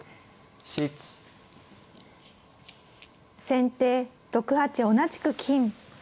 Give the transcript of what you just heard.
先手６八同じく金。